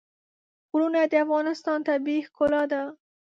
غرونه د افغانستان طبیعي ښکلا ده.